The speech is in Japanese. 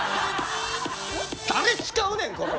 誰使うねんこれ！